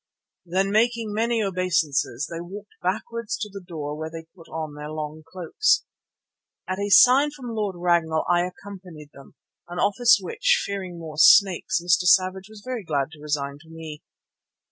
Then making many obeisances they walked backwards to the door where they put on their long cloaks. At a sign from Lord Ragnall I accompanied them, an office which, fearing more snakes, Mr. Savage was very glad to resign to me.